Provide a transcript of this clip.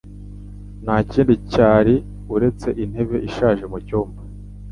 Nta kindi cyari uretse intebe ishaje mu cyumba.